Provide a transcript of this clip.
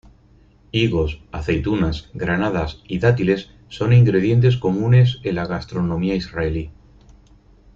Higos, aceitunas, granadas y dátiles son ingredientes comunes en la gastronomía israelí.